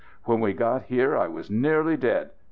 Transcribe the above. When we got here I was nearly dead.